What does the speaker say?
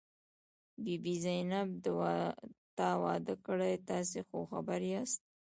بي بي زينت، تا واده کړی؟ تاسې خو خبر یاست.